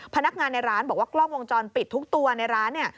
พนักงานในร้านบอกว่ากล้องวงจรปิดทุกตัวในร้านเนี่ย